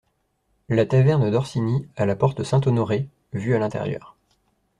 La taverne d’Orsini à la porte Saint-Honoré, vue à l’intérieur.